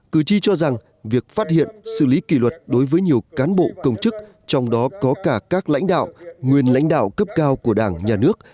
cử tri cho rằng việc phát hiện xử lý kỷ luật đối với nhiều cán bộ công chức trong đó có cả các lãnh đạo nguyên lãnh đạo cấp cao của đảng nhà nước